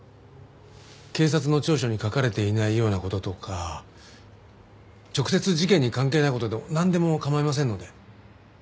警察の調書に書かれていないような事とか直接事件に関係ない事でもなんでも構いませんので。